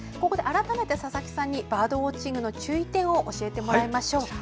ここで改めて、佐々木さんにバードウォッチングの注意点を教えてもらいましょう。